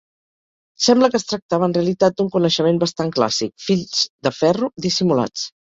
Sembla que es tractava en realitat d'un coneixement bastant clàssic: fills de ferro dissimulats.